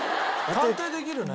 探偵できるね。